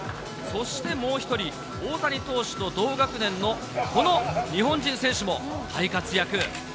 そしてもう一人、大谷投手と同学年のこの日本人選手も大活躍。